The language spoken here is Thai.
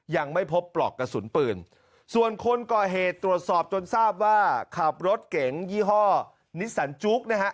ยังไม่พบปลอกกระสุนปืนส่วนคนก่อเหตุตรวจสอบจนทราบว่าขับรถเก๋งยี่ห้อนิสสันจุ๊กนะฮะ